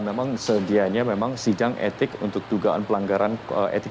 memang sedianya memang sidang etik untuk dugaan pelanggaran etik